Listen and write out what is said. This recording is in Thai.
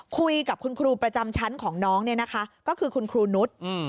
คุยกับคุณครูประจำชั้นของน้องเนี่ยนะคะก็คือคุณครูนุษย์